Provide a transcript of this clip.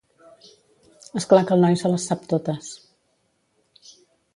És clar que el noi se les sap totes.